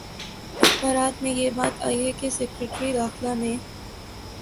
اخبارات میں یہ بات آئی ہے کہ سیکرٹری داخلہ نے